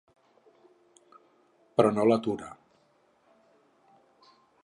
Però no l'atura.